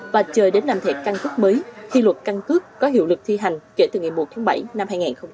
và chờ đến làm thẻ căn cước mới khi luật căn cước có hiệu lực thi hành kể từ ngày một tháng bảy năm hai nghìn hai mươi